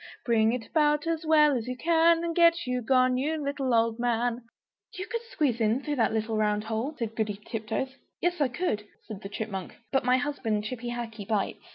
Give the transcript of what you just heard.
Bring it about as well as you can, And get you gone, you little old man!" "You could squeeze in, through that little round hole," said Goody Tiptoes. "Yes, I could," said the Chipmunk, "but my husband, Chippy Hackee, bites!"